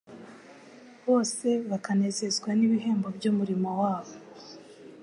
Bose bakanezezwa n’ibihembo by’umurimo wabo